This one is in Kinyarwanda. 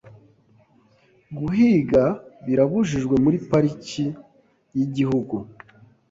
Guhiga birabujijwe muri parike yigihugu.